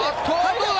どうだ？